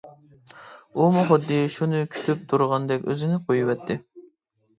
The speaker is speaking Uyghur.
ئۇمۇ خۇددى شۇنى كۈتۈپ تۇرغاندەك ئۆزىنى قويۇۋەتتى.